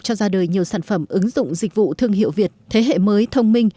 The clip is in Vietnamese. cho ra đời nhiều sản phẩm ứng dụng dịch vụ thương hiệu việt thế hệ mới thông minh